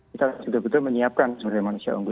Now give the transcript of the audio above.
kita sudah betul menyiapkan sumber daya manusia unggul